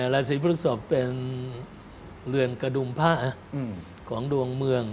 ราศีพฤกษกเป็นเรือนกระดุมผ้าของดวงเมือง